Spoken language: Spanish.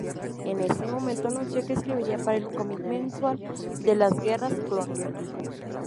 En ese momento, anunció que escribiría para el comic mensual de las Guerras Clon.